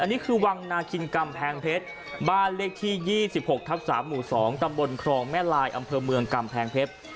อันนี้คือวังนาคินกำแพงเพชรบ้านเลขที่๒๖ทับ๓หมู่๒ตำบลครองแม่ลายอำเภอเมืองกำแพงเพชร